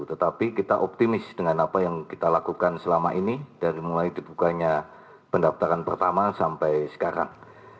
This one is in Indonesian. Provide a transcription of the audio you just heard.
tetapi kita optimis dengan apa yang kita lakukan selama ini dari mulai dibukanya pendaftaran pertama sampai sekarang